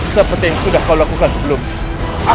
seperti yang sudah kau lakukan sebelumnya